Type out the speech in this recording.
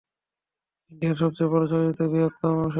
ইন্ডিয়ার সবচেয়ে বড় চলচ্চিত্রের বৃহত্তম সেট।